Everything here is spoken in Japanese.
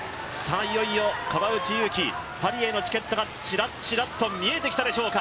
いよいよ川内優輝、パリへのチケットがチラチラと見えてきたでしょうか。